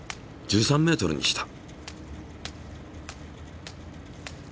１３ｍにした。